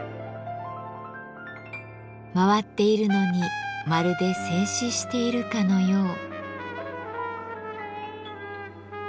回っているのにまるで静止しているかのよう。